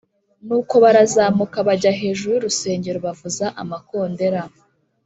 Nuko barazamuka bajya hejuru y’uruswngero bavuza amakondera